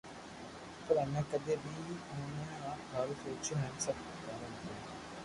پر اپي ڪدي بو ڪوئئي آپ ھاارون سوچو ھين سب ڪومون نر